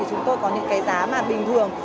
chúng tôi có những giá mà bình thường